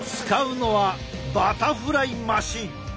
使うのはバタフライマシン。